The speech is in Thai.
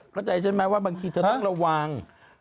เข้าใจใช่ไหมว่าบางทีเธอต้องระวัง